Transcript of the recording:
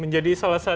menjadi salah satu